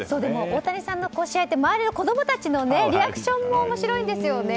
大谷さんの試合って周りの子供たちのリアクションも面白いんですよね。